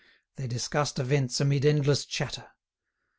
They discussed events amid endless chatter.